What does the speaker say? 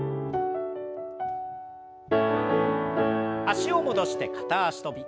脚を戻して片脚跳び。